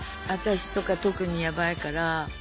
私とか特にやばいから。